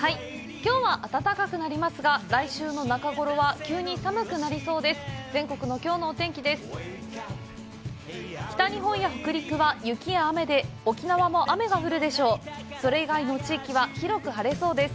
きょうは暖かくなりますが、来週の中ごろは急に寒くなりそうです。